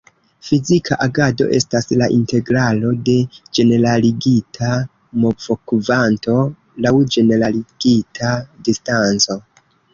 Fizika agado estas la integralo de ĝeneraligita movokvanto laŭ ĝeneraligita distanco.